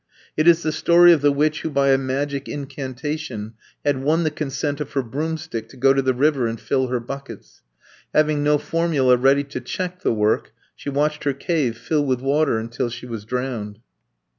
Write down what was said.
It is the story of the witch who, by a magic incantation, had won the consent of her broomstick to go to the river and fill her buckets; having no formula ready to check the work, she watched her cave fill with water until she was drowned.